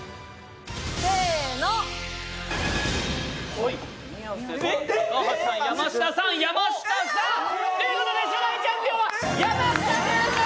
せのということで初代チャンピオンは山下君です